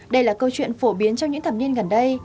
đây là câu chuyện phổ biến trong những thập niên gần đây